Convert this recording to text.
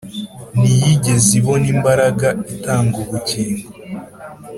ntiyigeze ibona imbaraga itanga ubugingo